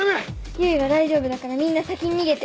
唯は大丈夫だからみんな先に逃げて。